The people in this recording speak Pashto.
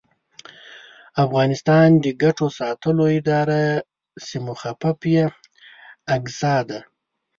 افغانستان د ګټو ساتلو اداره چې مخفف یې اګسا دی